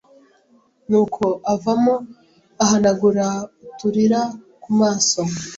nuko avamo ahanagura uturira ku maso